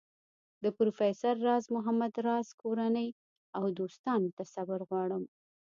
د پروفیسر راز محمد راز کورنۍ او دوستانو ته صبر غواړم.